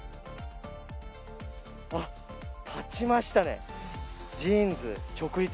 あっ、立ちましたね。